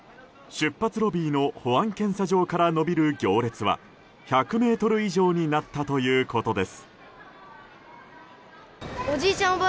出発ロビーの保安検査場から延びる行列は１００ｍ以上になったということです。